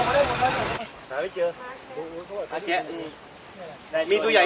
บัตรฯที่๑๕ปี